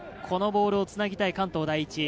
このボールをつなぎたい関東第一。